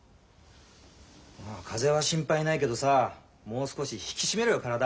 まあ風邪は心配ないけどさもう少し引き締めろよ体。